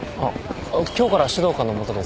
今日から指導官の下で捜査の。